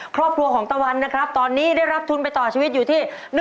ครอบครัวของตะวันนะครับตอนนี้ได้รับทุนไปต่อชีวิตอยู่ที่